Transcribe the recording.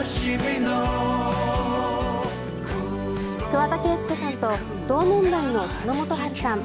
桑田佳祐さんと同年代の佐野元春さん